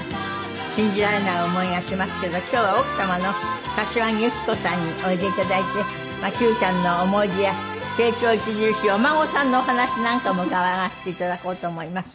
信じられない思いがしますけど今日は奥様の柏木由紀子さんにおいで頂いて九ちゃんの思い出や成長著しいお孫さんのお話なんかも伺わせて頂こうと思います。